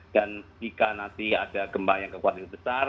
dan jika nanti ada gempa yang kekuatan